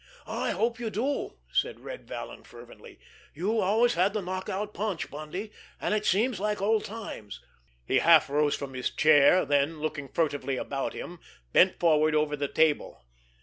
"I hope you do," said Red Vallon fervently. "You always had the knock out punch, Bundy, and it'll seem like old times." He half rose from his chair; then, looking furtively about him, bent forward over the table.